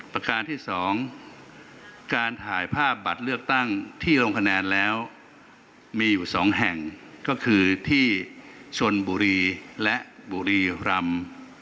ประการที่๒การถ่ายภาพบัตรเลือกตั้งที่ลงคะแนนแล้วมีอยู่๒แห่งก็คือที่ชนบุรีและบุรีรำ